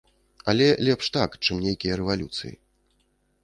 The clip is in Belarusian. Але лепш так, чым нейкія рэвалюцыі.